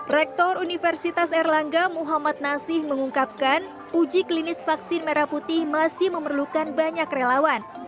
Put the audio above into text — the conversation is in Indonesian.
rektor universitas erlangga muhammad nasih mengungkapkan uji klinis vaksin merah putih masih memerlukan banyak relawan